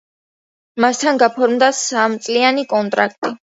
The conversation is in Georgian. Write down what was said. მასთან გაფორმდა სამწლიანი კონტრაქტი.